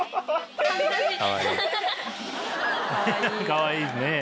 かわいい。